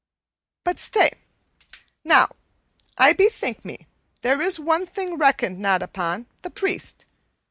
But stay, now I bethink me, there is one thing reckoned not upon the priest.